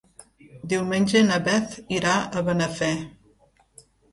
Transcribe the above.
Diumenge na Beth irà a Benafer.